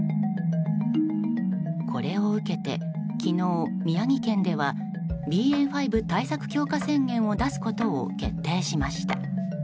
これを受けて昨日、宮城県ではＢＡ．５対策強化宣言を出すことを決定しました。